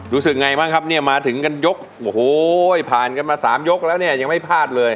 รู้สึกไงบ้างครับเนี่ยมาถึงกันยกโอ้โหผ่านกันมาสามยกแล้วเนี่ยยังไม่พลาดเลย